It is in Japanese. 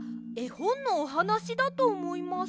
ほんのおはなしだとおもいます。